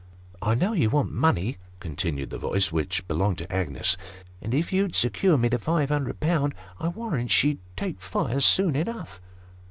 " I know you want money," continued the voice, which belonged to Agnes ;" and if you'd secure me the five hundred pound, I warrant she should take fire soon enough."